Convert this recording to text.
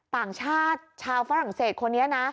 ต่างชาติชาวฝรั่งเศสคนนี้นะ